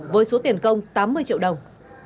với số tiền công tám mươi triệu đồng